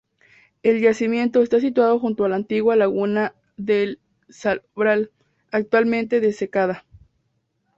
El yacimiento está situado junto a la antigua laguna del Salobral, actualmente desecada.